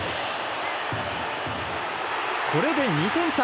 これで２点差。